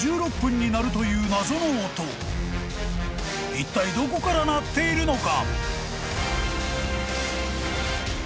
［いったいどこから鳴っているのか？］